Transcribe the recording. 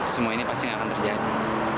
semua ini pasti akan terjadi